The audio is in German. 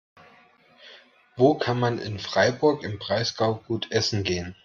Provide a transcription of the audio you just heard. Wo kann man in Freiburg im Breisgau gut essen gehen?